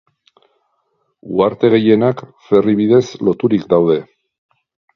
Uharte gehienak ferry bidez loturik daude.